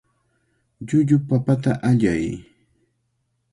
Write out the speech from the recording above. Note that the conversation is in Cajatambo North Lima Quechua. Llullu papata allay.